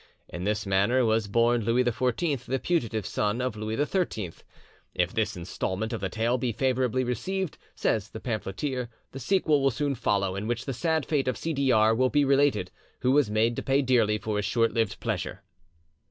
In this manner was born Louis XIV, the putative son of Louis XIII. If this instalment of the tale be favourably received, says the pamphleteer, the sequel will soon follow, in which the sad fate of C. D. R. will be related, who was made to pay dearly for his short lived pleasure."